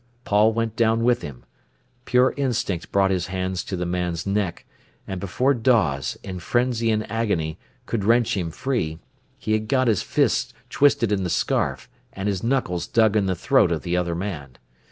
Paul went down with him. Pure instinct brought his hands to the man's neck, and before Dawes, in frenzy and agony, could wrench him free, he had got his fists twisted in the scarf and his knuckles dug in the throat of the other man.